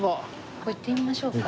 ここ行ってみましょうか。